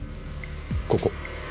ここ。